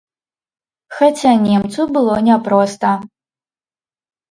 Хаця немцу было няпроста.